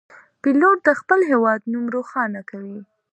پیلوټ د خپل هیواد نوم روښانه کوي.